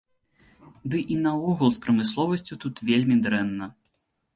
Ды і наогул з прамысловасцю тут вельмі дрэнна.